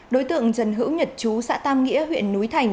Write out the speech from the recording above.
đối tượng trần hữu nhật chú xã tam nghĩa huyện núi thành